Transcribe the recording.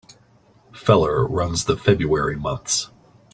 Feller runs the February months.